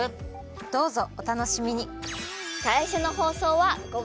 どうぞおたのしみに！